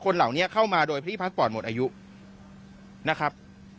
คนเหล่านี้เข้ามาโดยพี่พักปอดหมดอายุนะครับ